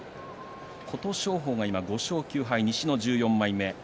琴勝峰が今５勝９敗、西の１４枚目。